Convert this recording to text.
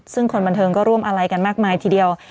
ซึ่งคนบันเทิงก็ร่วมอะไรกันมากมายทีเดียว